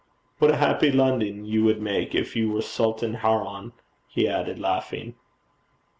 What a happy London you would make if you were Sultan Haroun!' he added, laughing.